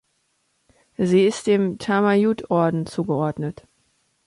Sie ist dem Thammayut-Orden zugeordnet.